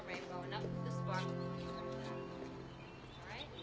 はい。